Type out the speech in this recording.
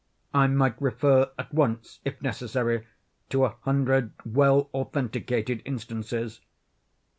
I might refer at once, if necessary, to a hundred well authenticated instances.